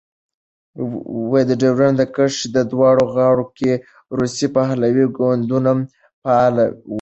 د ډیورند کرښې دواړو غاړو کې روسي پلوی ګوندونه فعال وو.